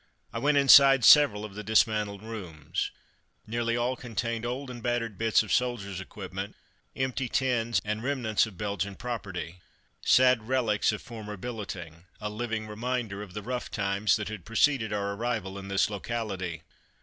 I went inside several of the dismantled rooms. Nearly all contained old and battered bits of soldiers' equipment, empty tins, and remnants of Belgian property. Sad relics of former billeting: a living reminder of the rough times that had preceded our arrival in this locality.